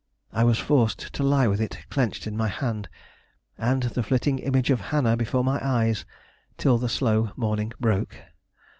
I was forced to lie with it clenched in my hand, and the flitting image of Hannah before my eyes, till the slow morning broke.